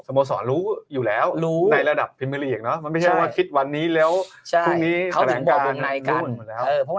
โมสรรู้อยู่แล้วรู้ในระดับพิเมลีกเนอะมันไม่ใช่ว่าคิดวันนี้แล้วพรุ่งนี้แถลงการหมดแล้ว